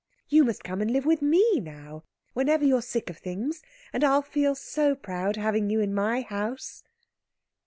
You must come and live with me now, whenever you are sick of things, and I'll feel so proud, having you in my house!"